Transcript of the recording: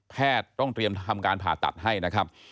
ต้องเตรียมทำการผ่าตัดให้นะครับ